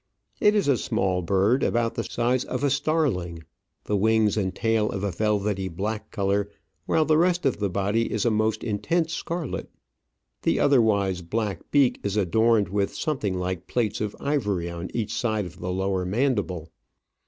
It is a small bird, about the size of a starling, the Winers and tail of a velvetv black colour, while the rest of the body is a most intense scarlet ; the other wise black beak is adorned with something like plates of ivory on each side of the lower mandible.